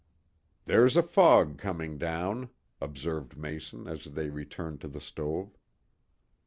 "There's a fog coming down," observed Mason, as they returned to the stove.